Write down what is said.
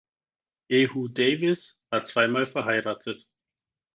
Jehu Davis war zweimal verheiratet.